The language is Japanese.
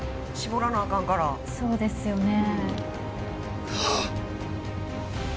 そうですよね。